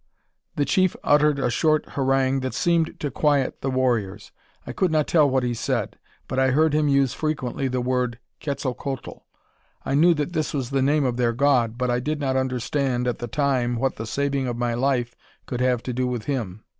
The chief uttered a short harangue that seemed to quiet the warriors. I could not tell what he said, but I heard him use frequently the word Quetzalcoatl. I knew that this was the name of their god, but I did not understand, at the time, what the saving of my life could have to do with him.